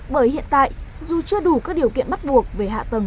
bởi hiện tại dù chưa đủ các điều kiện bắt buộc về hạ tầng